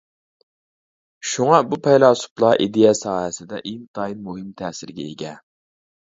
شۇڭا، بۇ پەيلاسوپلار ئىدىيە ساھەسىدە ئىنتايىن مۇھىم تەسىرگە ئىگە.